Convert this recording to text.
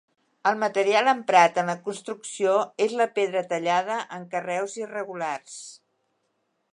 El material emprat en la construcció és la pedra, tallada en carreus irregulars.